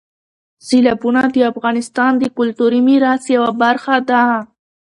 سیلابونه د افغانستان د کلتوري میراث یوه برخه ده.